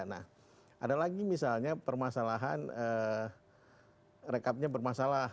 nah ada lagi misalnya permasalahan rekapnya bermasalah